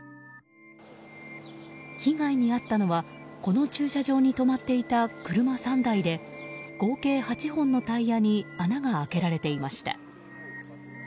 被害に遭ったのはこの駐車場に止まっていた車３台で合計８本のタイヤに穴が開けられていました。